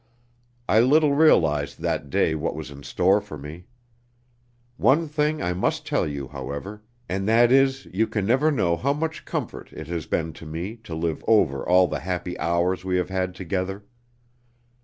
I little realized that day what was in store for me. One thing I must tell you, however, and that is you can never know how much comfort it has been to me to live over all the happy hours we have had together.